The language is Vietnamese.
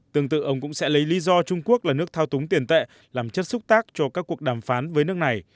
tương tự ông cũng sẽ lấy lý do trung quốc là nước thao túng tiền tệ làm chất xúc tác cho các cuộc đàm phán với nước này